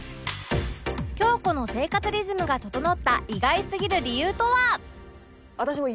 京子の生活リズムが整った意外すぎる理由とは？